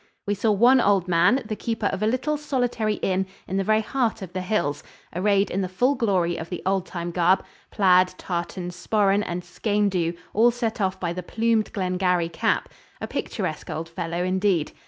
We saw one old man, the keeper of a little solitary inn in the very heart of the hills, arrayed in the full glory of the old time garb plaid, tartan, sporran and skene dhu, all set off by the plumed Glengarry cap a picturesque old fellow indeed.